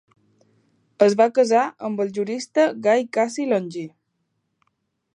Es va casar amb el jurista Gai Cassi Longí.